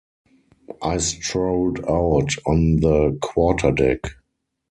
I strolled out on the quarter-deck.